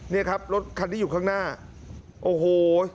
นี่ครับรถคันที่อยู่ข้างหน้าโอ้โห